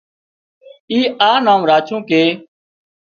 اي آ نام راڇون ڪي